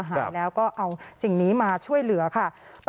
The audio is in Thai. หายแล้วก็เอาสิ่งนี้มาช่วยเหลือค่ะ